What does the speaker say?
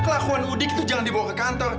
kelakuan mudik itu jangan dibawa ke kantor